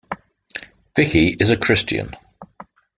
Vicky is a Christian.